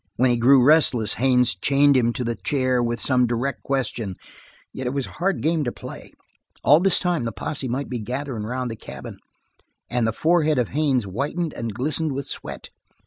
When he grew restless, Haines chained him to the chair with some direct question, yet it was a hard game to play. All this time the posse might be gathering around the cabin; and the forehead of Haines whitened and glistened with sweat.